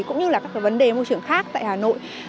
cũng như là các vấn đề môi trường khác tại hà nội